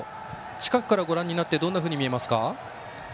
近くからご覧になってどんなふうに見えますか。